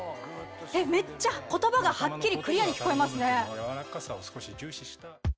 めっちゃ言葉がハッキリクリアに聞こえますね。